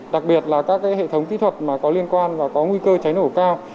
đặc biệt là các hệ thống kỹ thuật có liên quan và có nguy cơ cháy nổ cao